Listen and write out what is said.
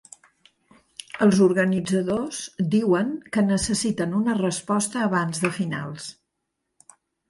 Els organitzadors diuen que necessiten una resposta abans de finals.